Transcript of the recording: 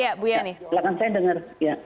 silahkan saya denger